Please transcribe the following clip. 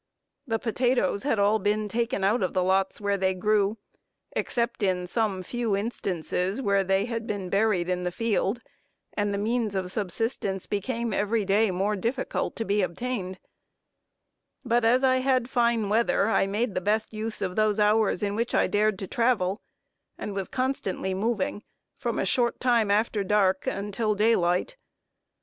The potatoes had all been taken out of the lots where they grew, except in some few instances where they had been buried in the field; and the means of subsistence became every day more difficult to be obtained; but as I had fine weather, I made the best use of those hours in which I dared to travel, and was constantly moving from a short time after dark until daylight.